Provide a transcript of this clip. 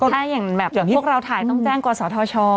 ถ้าอย่างแบบพวกเราถ่ายต้องแจ้งกศธช